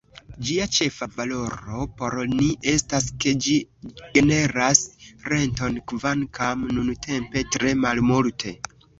Ĝia ĉefa valoro por ni estas ke ĝi generas renton, kvankam nuntempe tre malmulte.